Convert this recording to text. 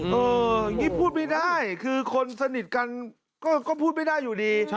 อย่างนี้พูดไม่ได้คือคนสนิทกันก็พูดไม่ได้อยู่ดี